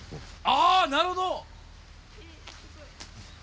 あなるほど！